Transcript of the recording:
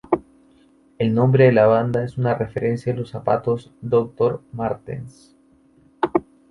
El nombre de la banda es una referencia a los zapatos Dr. Martens.